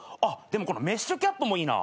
でもこのメッシュキャップもいいな。